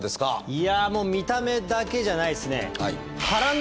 いやもう見た目だけじゃないっすね。